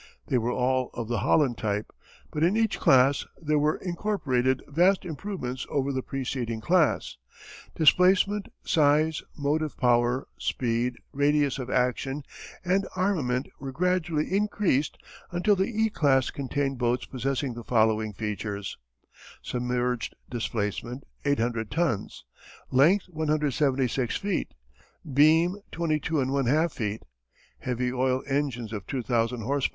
They were all of the Holland type, but in each class there were incorporated vast improvements over the preceding class. Displacement, size, motive power, speed, radius of action, and armament were gradually increased until the "E" class contained boats possessing the following features: Submerged displacement, 800 tons; length 176 feet; beam 22 1/2 feet; heavy oil engines of 2000 H. P.